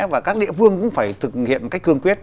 và các địa phương cũng phải thực hiện một cách cương quyết